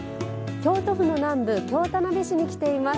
京都府の南部京田辺市に来ています。